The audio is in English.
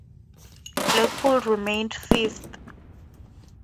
Blackpool remained fifth.